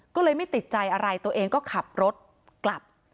ก็เลยไม่ติดใจอะไรตัวเองก็ขับรถกลับ